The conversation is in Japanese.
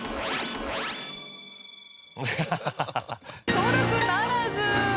登録ならず。